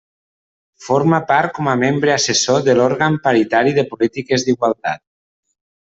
Forma part com a membre assessor de l'Òrgan Paritari de Polítiques d'Igualtat.